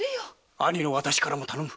兄の私からも頼む。